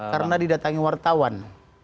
karena didatangi wartawan